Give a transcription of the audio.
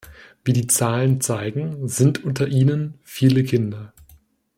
Wie die Zahlen zeigen, sind unter ihnen viele Kinder.